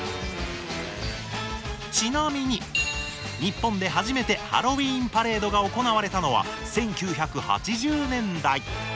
ちなみに日本で初めてハロウィーンパレードが行われたのは１９８０年代。